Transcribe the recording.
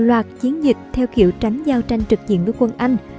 một loạt chiến dịch theo kiểu tránh giao tranh trực diện nước quân anh